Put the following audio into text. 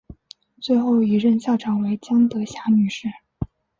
最后一任校长为江德霞女士。